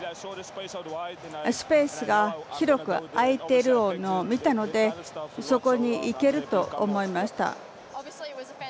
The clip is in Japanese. スペースが広く空いているのを見たのでそこに行けると思いました。